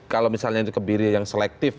kalau misalnya itu kebiri yang selektif